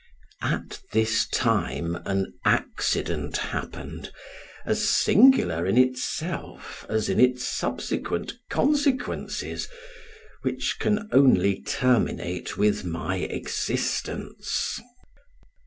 At this time an accident happened, as singular in itself as in its subsequent consequences, which can only terminate with my existence.